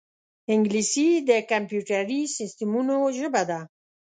انګلیسي د کمپیوټري سیستمونو ژبه ده